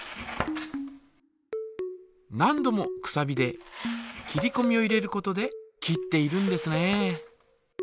何度もくさびで切りこみを入れることで切っているんですね。